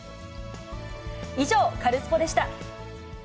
以上、カルスポっ！でした。